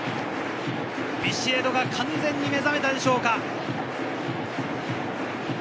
ビシエドが完全に目覚めたでしょうか。